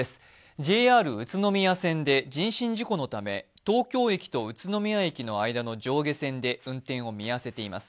ＪＲ宇都宮線で人身事故のため東京駅と宇都宮駅の間の上下線で運転を見合わせています。